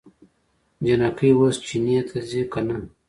جينکۍ اوس چينې ته ځي که نه؟